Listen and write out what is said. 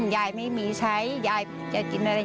ยายไม่มีใช้ยายจะกินอะไร